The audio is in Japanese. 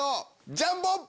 ジャンボ！